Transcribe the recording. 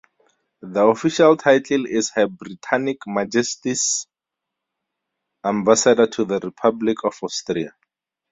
The official title is Her Britannic Majesty's Ambassador to the Republic of Austria.